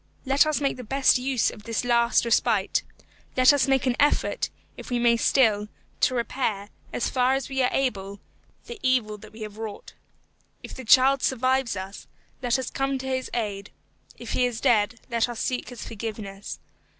Let us make the best use of this last respite; let us make an effort, if we still may, to repair, as far as we are able, the evil that we have wrought. If the child survives us, let us come to his aid; if he is dead, let us seek his forgiveness.